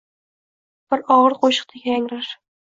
bir og’ir qo’shiqdek yangrar